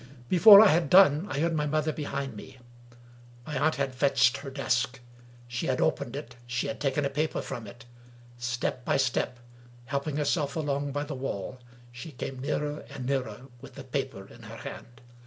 Before I had done, I heard my mother behind me. My aunt had fetched her desk. She had opened it ; she had taken a paper from it. Step by step, helping herself along by the wall, she came nearer and nearer, with the paper in her hand.